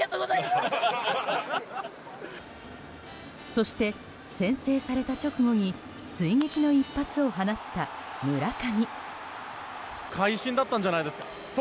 そして先制された直後に追撃の一発を放った村上。